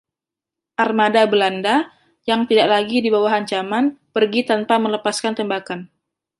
Armada Belanda, yang tidak lagi di bawah ancaman, pergi tanpa melepaskan tembakan.